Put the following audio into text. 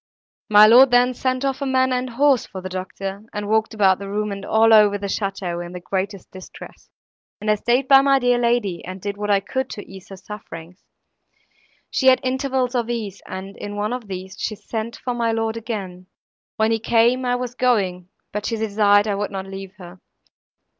My lord then sent off a man and horse for the doctor, and walked about the room and all over the château in the greatest distress; and I staid by my dear lady, and did what I could to ease her sufferings. She had intervals of ease, and in one of these she sent for my lord again; when he came, I was going, but she desired I would not leave her.